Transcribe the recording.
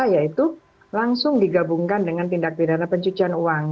yaitu langsung digabungkan dengan tindak pidana pencucian uang